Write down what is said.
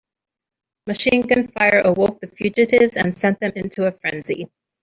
Machine gun fire awoke the fugitives and sent them into a frenzy.